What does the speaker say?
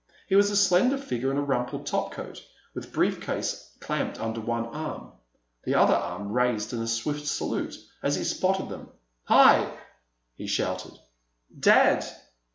He was a slender figure in a rumpled topcoat, with a brief case clamped under one arm. The other arm raised in a swift salute as he spotted them. "Hi!" he shouted. "Dad!"